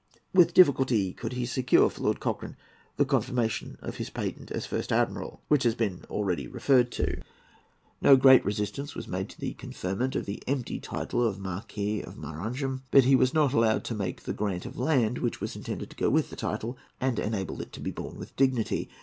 With difficulty could he secure for Lord Cochrane the confirmation of his patent as First Admiral, which has been already referred to. No great resistance was made to his conferment of the empty title of Marquis of Maranham, but he was not allowed to make the grant of land which was intended to go with the title and enable it to be borne with dignity.